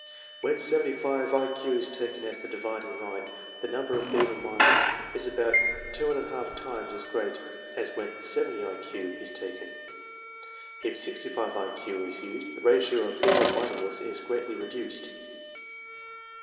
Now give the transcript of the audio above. When 75 1 Q is taken as the dividing line, the number of feeble minded is about two and a half times as great as when 70 1 Q is taken. If 65 1 Q is used, the ratio of feeble mindedness is greatly reduced.